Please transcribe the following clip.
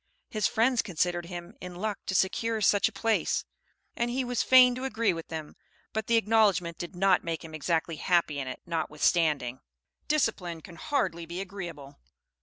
His friends considered him in luck to secure such a place; and he was fain to agree with them, but the acknowledgment did not make him exactly happy in it, notwithstanding. Discipline can hardly be agreeable.